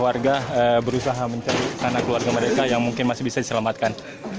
warga berusaha mencari anak keluarga mereka yang mungkin masih bisa diselamatkan